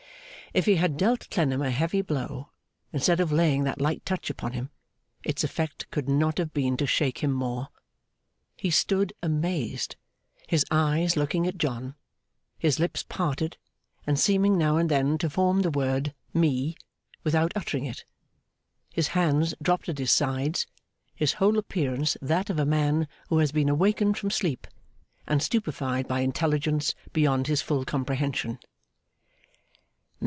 If he had dealt Clennam a heavy blow, instead of laying that light touch upon him, its effect could not have been to shake him more. He stood amazed; his eyes looking at John; his lips parted, and seeming now and then to form the word 'Me!' without uttering it; his hands dropped at his sides; his whole appearance that of a man who has been awakened from sleep, and stupefied by intelligence beyond his full comprehension.